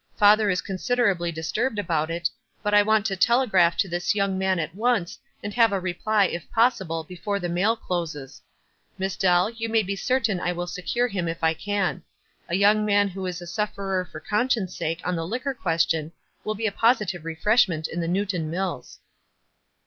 Father is con siderably disturbed about it, and I want to tel* 76 WISE AKD OTHERWISE. egraph to this young man at once, and have a reply, if possible, before the mail closes. Miss Dell, you may be certain I will secure him if I can. A young man who is a sufferer for con science' sake on the liquor question will be a positive refreshment in the Newton Mills."